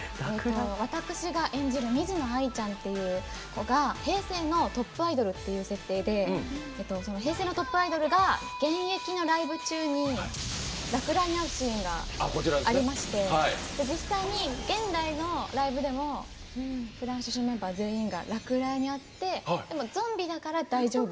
私が演じる水野愛ちゃんっていう子が平成のトップアイドルっていう設定でその平成のトップアイドルが現役のライブ中に落雷にあうシーンがありまして実際にライブでもフランシュシュのメンバー全員が落雷にあってでも、ゾンビだから大丈夫。